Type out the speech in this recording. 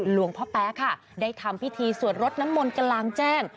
หลวงพ่อแป๊ค่ะได้ทำพิธีสวดรสน้ำมนต์กลางแจ้ง